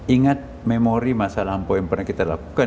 ingat memori masa lampau yang pernah kita lakukan